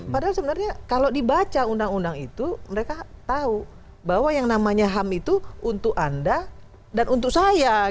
padahal sebenarnya kalau dibaca undang undang itu mereka tahu bahwa yang namanya ham itu untuk anda dan untuk saya